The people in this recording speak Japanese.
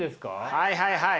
はいはいはい。